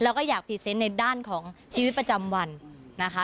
แล้วก็อยากพรีเซนต์ในด้านของชีวิตประจำวันนะคะ